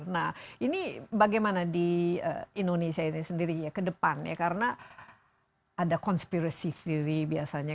nah ini bagaimana di indonesia ini sendiri ya ke depan ya karena ada conspiracy sendiri biasanya